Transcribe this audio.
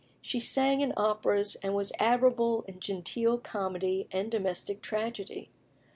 She sang in operas, and was admirable in genteel comedy and domestic tragedy.